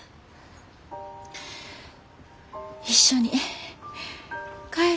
一緒に帰ろ。